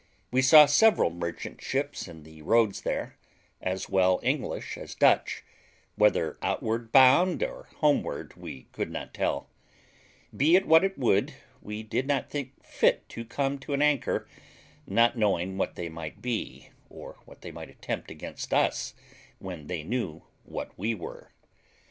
We saw several merchant ships in the roads there, as well English as Dutch, whether outward bound or homeward we could not tell; be it what it would, we did not think fit to come to an anchor, not knowing what they might be, or what they might attempt against us, when they knew what we were.